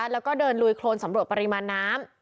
แล้วก็เดินลุยโครนสำรวจปริมาณน้ำ